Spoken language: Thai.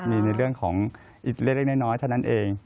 มีในเรื่องของอีกเล็กน้อยเท่านั้นเอง